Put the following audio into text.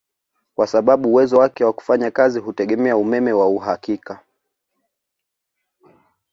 Kwa sababu uwezo wake wa kufanya kazi hutegemea umeme wa uhakika